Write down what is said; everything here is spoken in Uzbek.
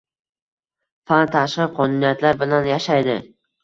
Fan — tashqi qonuniyatlar bilan yashaydi.